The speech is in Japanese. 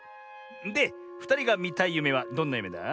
でふたりがみたいゆめはどんなゆめだ？